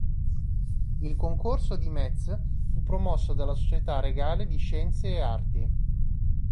Il concorso di Metz fu promosso dalla Società regale di Scienze e Arti.